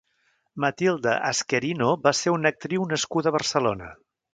Matilde Asquerino va ser una actriu nascuda a Barcelona.